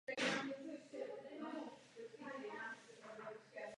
Ten však byl později popraven a tak nezletilý Alexandr zůstal jediným dědicem.